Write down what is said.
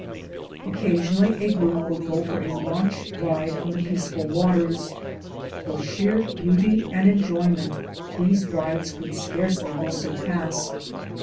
Occasionally a group would go for a launch ride on the peaceful waters ; for sheer beauty and enjoyment these rides could scarcely be surpassed.